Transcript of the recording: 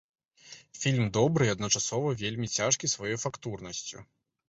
Фільм добры і адначасова вельмі цяжкі сваёй фактурнасцю.